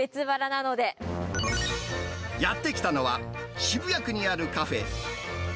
やって来たのは、渋谷区にあるカフェ。